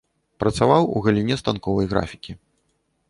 Працаваў у галіне станковай графікі.